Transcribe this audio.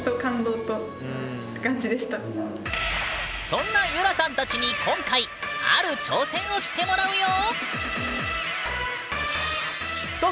そんなゆらさんたちに今回ある挑戦をしてもらうよ！